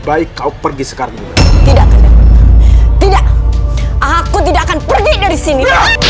baik kau pergi sekarang tidak tidak aku tidak akan pergi dari sini